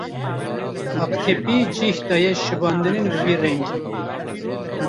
Aqtepî cih daye şibandinên bi vî rengî.